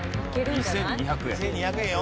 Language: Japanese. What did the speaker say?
２２００円よ。